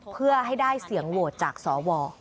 เพื่อให้ได้เสียงโหวตจากสว